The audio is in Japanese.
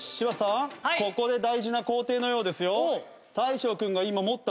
ここで大事な工程のようですよ。